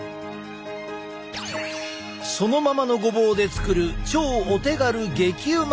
そのままのごぼうで作る超お手軽激うまレシピ。